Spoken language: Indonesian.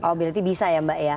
oh berarti bisa ya mbak ya